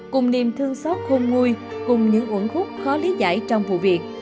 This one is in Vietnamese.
cùng niềm thương xót khôn nguôi cùng những uẩn khúc khó lý giải trong vụ việc